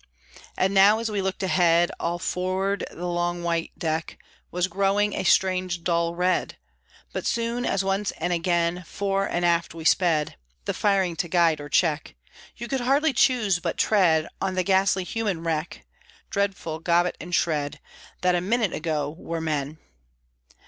And now, as we looked ahead, All for'ard, the long white deck Was growing a strange dull red, But soon, as once and again Fore and aft we sped (The firing to guide or check), You could hardly choose but tread On the ghastly human wreck (Dreadful gobbet and shred That a minute ago were men!)